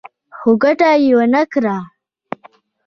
خو ګټه يې ونه کړه.